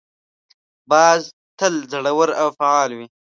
باز تل زړور او فعال وي